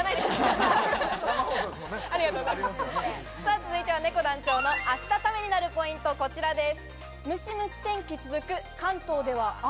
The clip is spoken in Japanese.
続いては、ねこ団長のあしたタメになるポイント、こちらです。